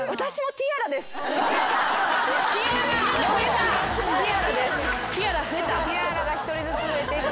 ティアラが１人ずつ増えていく。